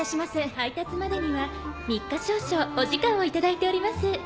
配達までには３日少々お時間を頂いております。